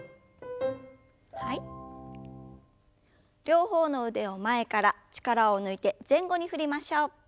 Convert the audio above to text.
両方の腕を前から力を抜いて前後に振りましょう。